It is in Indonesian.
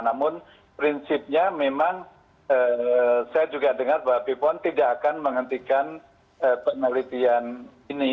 namun prinsipnya memang saya juga dengar bahwa bepom tidak akan menghentikan penelitian ini